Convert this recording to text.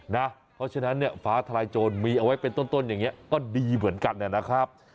เพราะฉะนั้นเนี่ยฟ้าทลายโจรมีเอาไว้เป็นต้นอย่างนี้ก็ดีเหมือนกันนะครับ